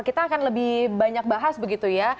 kita akan lebih banyak bahas begitu ya